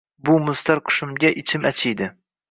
Bu mustar qushimga ichim achiydi…